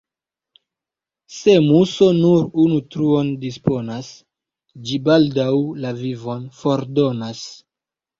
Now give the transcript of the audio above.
Se muso nur unu truon disponas, ĝi baldaŭ la vivon fordonas.